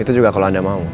itu juga kalau anda mau